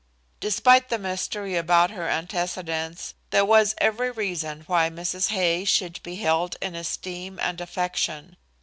Despite the mystery about her antecedents there was every reason why Mrs. Hay should be held in esteem and affection.